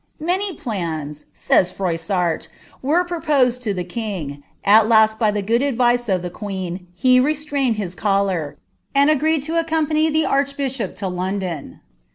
Many plans," says Froissart, " were proposed to the king j at latt hr the good advice of the queen, he restrained bis choler, and iciw4 H accompany llie archbishop to London."